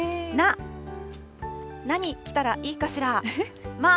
な、何着たらいいかしら？